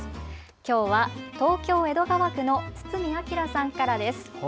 きょうは東京江戸川区の堤昭さんからです。